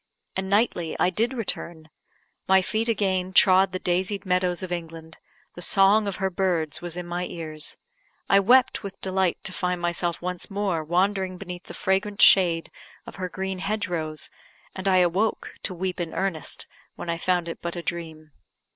And nightly I did return; my feet again trod the daisied meadows of England; the song of her birds was in my ears; I wept with delight to find myself once more wandering beneath the fragrant shade of her green hedge rows; and I awoke to weep in earnest when I found it but a dream.